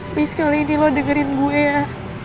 please kali ini lu dengerin gue ya